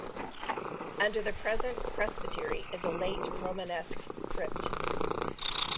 Under the present presbytery is a late Romanesque crypt.